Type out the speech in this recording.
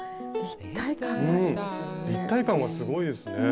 立体感がすごいですね。